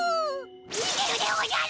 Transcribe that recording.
にげるでおじゃる！